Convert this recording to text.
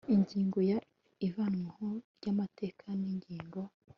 ingingo ya ivanwaho ry amateka n ingingo